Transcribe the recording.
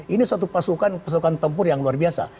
ini suatu pasukan pasukan tempur yang luar biasa